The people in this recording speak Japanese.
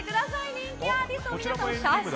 人気アーティストの皆さんの写真。